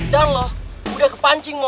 dan lo udah kepancing mon